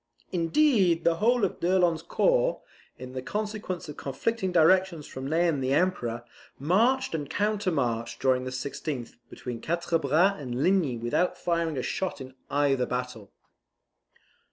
Indeed, the whole of d'Erlon's corps, in consequence of conflicting directions from Ney and the Emperor, marched and countermarched, during the 16th, between Quatre Bras and Ligny without firing a shot in either battle.